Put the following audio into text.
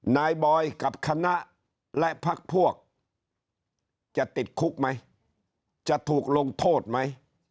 นายบอยกับคณะและพักพวกจะติดคุกไหมจะถูกลงโทษไหม